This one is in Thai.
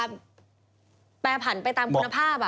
แปรผันไปตามคุณภาพ